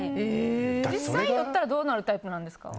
実際、酔ったらどうなるタイプですか？